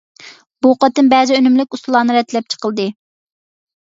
بۇ قېتىم بەزى ئۈنۈملۈك ئۇسۇللارنى رەتلەپ چىقىلدى.